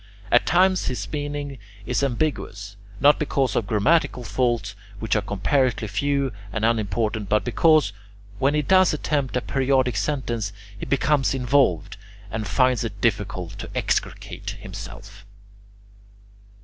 At times his meaning is ambiguous, not because of grammatical faults, which are comparatively few and unimportant, but because, when he does attempt a periodic sentence, he becomes involved, and finds it difficult to extricate himself.